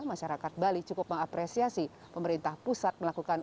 masyarakat bali cukup mengapresiasi pemerintah pusat melakukan